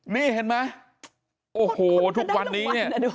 นี่เห็นไหมโอ้โฮทุกวันนี้